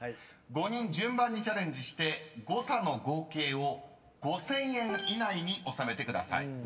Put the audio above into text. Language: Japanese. ５人順番にチャレンジして誤差の合計を５，０００円以内に収めてください］